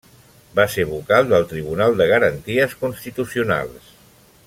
Va ser vocal del Tribunal de Garanties Constitucionals.